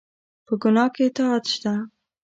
په ګناه کې اطاعت شته؟